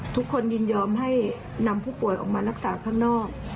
ยินยอมให้นำผู้ป่วยออกมารักษาข้างนอก